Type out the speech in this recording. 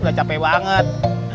udah capek banget